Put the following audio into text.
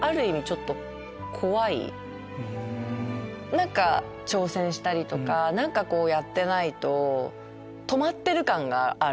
何か挑戦したりとか何かやってないと止まってる感がある。